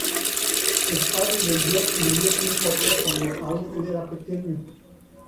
El padre de Georg murió tiempo atrás cuando aun el niño era pequeño.